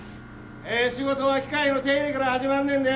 ええ仕事は機械の手入れから始まんねんで！